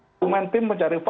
dokumen tim berikutnya